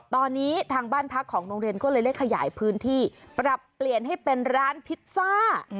ตอนนี้ทางบ้านพักของโรงเรียนก็เลยได้ขยายพื้นที่ปรับเปลี่ยนให้เป็นร้านพิซซ่า